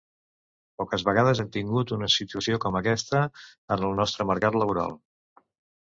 Poques vegades hem tingut una situació com aquesta en el nostre mercat laboral.